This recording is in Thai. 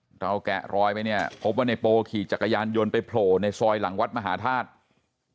เราแกะรอยไปเนี่ยพบว่าในโปขี่จักรยานยนต์ไปโผล่ในซอยหลังวัดมหาธาตุ